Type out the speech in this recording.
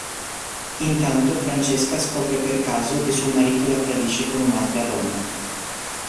Intanto Francesca scopre per caso che suo marito la tradisce con un'altra donna.